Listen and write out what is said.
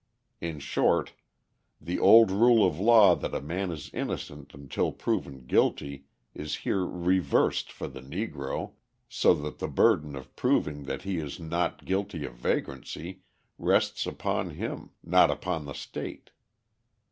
In short, the old rule of law that a man is innocent until proved guilty is here reversed for the Negro so that the burden of proving that he is not guilty of vagrancy rests upon him, not upon the state.